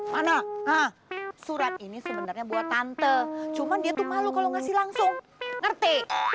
mana surat ini sebenarnya buat tante cuma dia tuh malu kalau ngasih langsung ngerti